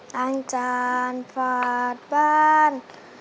ตั้งจานฝาดบ้าน